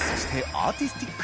アーティスティック・